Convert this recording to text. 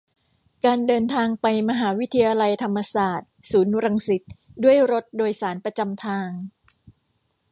การเดินทางไปมหาวิทยาลัยธรรมศาสตร์ ศูนย์รังสิต ด้วยรถโดยสารประจำทาง